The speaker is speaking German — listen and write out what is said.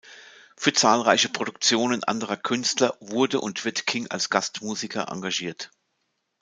Für zahlreiche Produktionen anderer Künstler wurde und wird King als Gastmusiker engagiert.